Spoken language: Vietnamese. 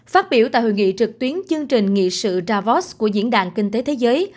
phát biểu tại hội nghị trực tuyến chương trình nghị sự davos của diễn đàn kinh tế thế giới